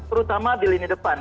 terutama di lini depan